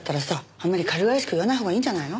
あんまり軽々しく言わないほうがいいんじゃないの？